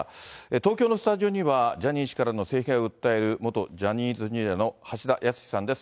東京のスタジオには、ジャニー氏からの性被害を訴える、元ジャニーズＪｒ．の橋田康さんです。